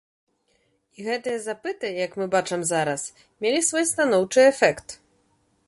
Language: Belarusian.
І гэтыя запыты, як мы бачым зараз, мелі свой станоўчы эфект.